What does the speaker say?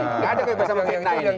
gak ada kebebasan memfitnah ini